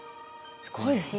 すごいですね。